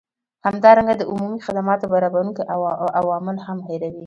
همدارنګه د عمومي خدماتو برابروونکي عوامل هم هیروي